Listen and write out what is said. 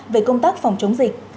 về công tác phòng chống dịch